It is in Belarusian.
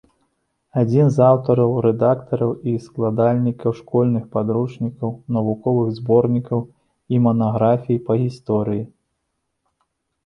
Адзін з аўтараў, рэдактараў і складальнікаў школьных падручнікаў, навуковых зборнікаў і манаграфій па гісторыі.